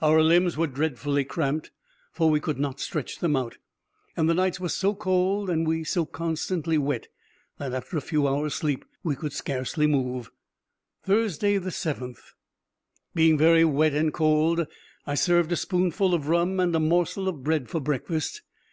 Our limbs were dreadfully cramped, for we could not stretch them out; and the nights were so cold, and we so constantly wet, that, after a few hours' sleep, we could scarcely move. Thursday, 7th.—Being very wet and cold, I served a spoonful of rum and a morsel of bread for breakfast.